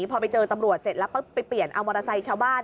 พอไปเจอตำรวจเสร็จแล้วปุ๊บไปเปลี่ยนเอามอเตอร์ไซค์ชาวบ้าน